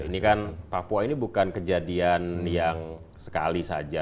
ini kan papua ini bukan kejadian yang sekali saja